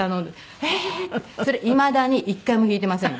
それいまだに１回も弾いてませんよ。